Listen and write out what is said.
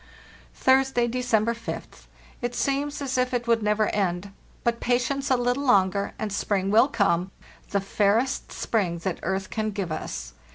"Thursday, December 5th. It seems as if it would never end. But patience a little longer, and spring will come, the fairest spring that earth can give us.